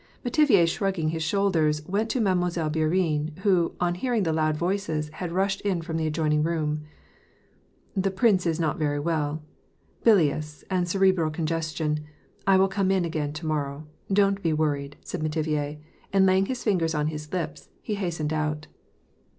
Metivier, shrugging his shoulders, went to Mademoiselle Bourienne, who, on hearing the loud voices, had rushed in from the adjoining room. " The prince is not very well, — bilious, and a cerebral con gestion. I will come in again to morrow.* Don't be worried," said Metivier ; and, laying his fingers on his lips, he hastened out.